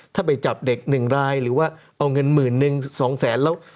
ถ้าไปจับเด็ก๑รายหรือว่าเอาเงินหมื่นหนึ่งสองแสนแล้ว